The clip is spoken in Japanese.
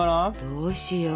どうしよう。